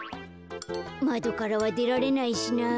まどからはでられないしな。